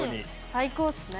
最高っすね。